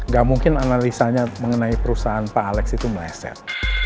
gak mungkin analisanya mengenai perusahaan pak alex itu meleset